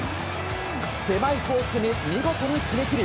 狭いコースに見事に決め切り